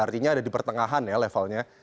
artinya ada di pertengahan ya levelnya